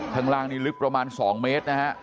ข้างล่างนี่ลึกประมาณ๒เมตรนะฮะ